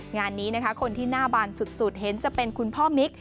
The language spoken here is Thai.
งานนี้นะคะคนที่หน้าบานสุดเห็นจะเป็นคุณพ่อมิก